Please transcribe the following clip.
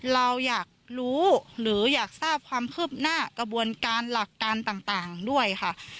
เราอยากรู้หรืออยากทราบความคืบหน้ากระบวนการหลักการต่างด้วยค่ะ